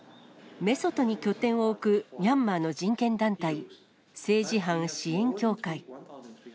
メソトに拠点を置くミャンマーの人権団体、政治犯支援協会。